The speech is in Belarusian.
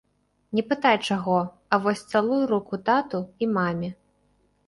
Не пытай чаго, а вось цалуй руку тату і маме!